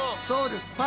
そうです。